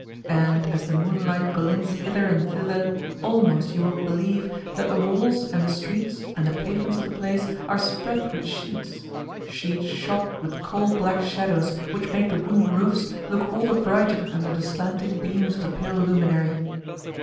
And as the moonlight glints hither and thither, almost you will believe that the walls and the streets and the pavements of the place are spread with sheets sheets shot with coal black shadows which make the wooden roofs look all the brighter under the slanting beams of the pale luminary.